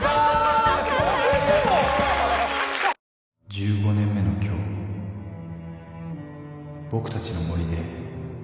１５年目の今日僕たちの森で